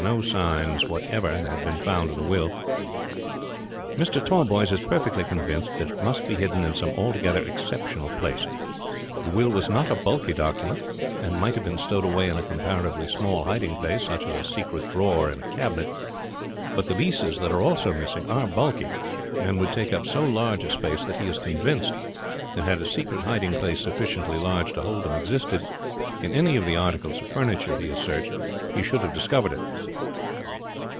No signs whatever had been found of the will. "Mr. Tallboys is perfectly convinced that it must be hidden in some altogether exceptional place. The will was not a bulky document, and might have been stowed away in a comparatively small hiding place, such as a secret drawer in a cabinet; but the leases that are also missing are bulky, and would take up so large a space that he is convinced that had a secret hiding place sufficiently large to hold them existed in any of the articles of furniture he has searched he should have discovered it.